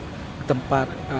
orang orang se publik ya